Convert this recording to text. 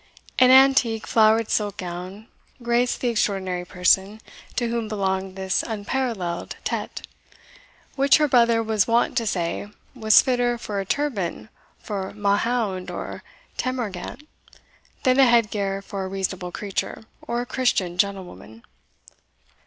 An antique flowered silk gown graced the extraordinary person to whom belonged this unparalleled tete, which her brother was wont to say was fitter for a turban for Mahound or Termagant, than a head gear for a reasonable creature, or Christian gentlewoman.